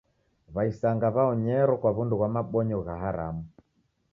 W'aisanga w'aonyero kwa w'undu ghwa mabonyo gha haramu.